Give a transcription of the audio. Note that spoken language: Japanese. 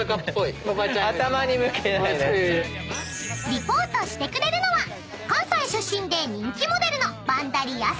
［リポートしてくれるのは関西出身で人気モデルの］